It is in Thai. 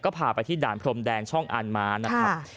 ก็พาไปที่ด่านพรมแดนช่องอันม้านะครับ